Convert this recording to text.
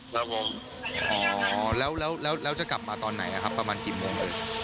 อ๋อเข้ากรุงเทพฯเลยเหรอครับอ๋อแล้วจะกลับมาตอนไหนครับประมาณกี่โมง